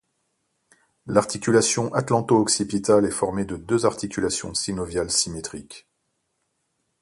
L'articulation atlanto-occipitale est formée de deux articulations synoviales symétriques.